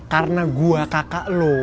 karena gua kakak lu